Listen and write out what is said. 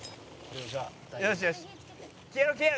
「よしよし」